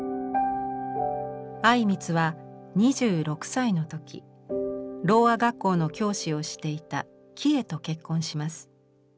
靉光は２６歳の時ろうあ学校の教師をしていたキヱと結婚します。